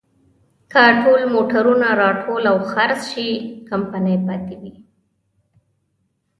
که ټول موټرونه راټول او خرڅ شي، کمپنۍ پاتې وي.